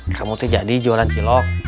kamu tuh jadi juara cilok